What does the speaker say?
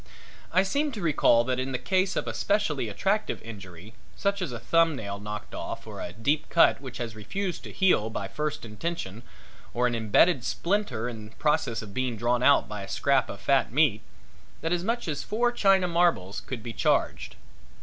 I seem to recall that in the case of a specially attractive injury, such as a thumb nail knocked off or a deep cut which has refused to heal by first intention or an imbedded splinter in process of being drawn out by a scrap of fat meat, that as much as four china marbles could be charged.